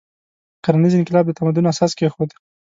کرنیز انقلاب د تمدن اساس کېښود.